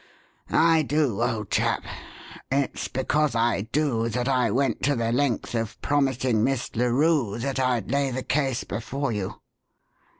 "I do, old chap. It's because I do that I went to the length of promising Miss Larue that I'd lay the case before you."